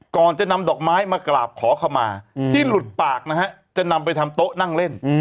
ก่อนจะนำดอกไม้มากราบขอขมาที่หลุดปากนะฮะจะนำไปทำโต๊ะนั่งเล่น